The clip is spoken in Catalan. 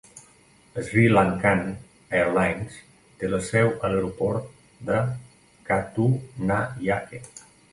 SriLankan Airlines té la seu a l'aeroport de Katunayake.